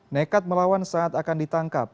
nekat melawan saat akan ditangkap